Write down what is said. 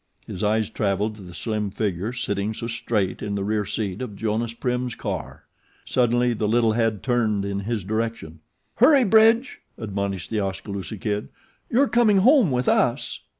His eyes travelled to the slim figure sitting so straight in the rear seat of Jonas Prim's car. Suddenly the little head turned in his direction. "Hurry, Bridge," admonished The Oskaloosa Kid, "you're coming home with us."